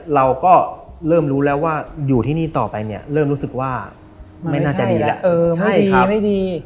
เราก็เริ่มรู้แล้วว่าอยู่ที่นี่ต่อไปเนี่ยเริ่มรู้สึกว่าไม่น่าจะดีแล้วเออใช่ครับไม่ดี